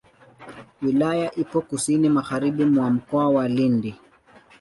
Wilaya ipo kusini magharibi mwa Mkoa wa Lindi.